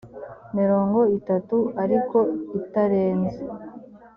mirongo itatu ariko itarenze